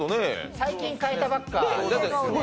最近変えたばっか。